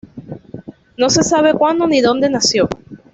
No se sabe cuándo ni dónde nació.